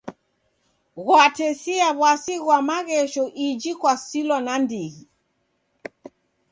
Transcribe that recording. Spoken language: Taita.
Ghwatesia w'asi ghwa maghesho iji kwasilwa nandighi.